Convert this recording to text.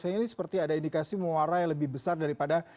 sehingga ini seperti ada indikasi muara yang lebih besar daripada